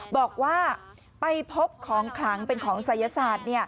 บอกว่าไปพบของขลังเป็นของศัยศาสตร์